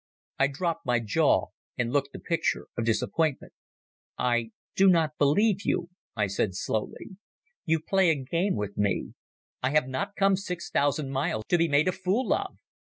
I dropped my jaw and looked the picture of disappointment. "I do not believe you," I said slowly. "You play a game with me. I have not come six thousand miles to be made a fool of."